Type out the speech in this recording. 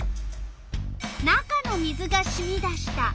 「中の水がしみ出した」。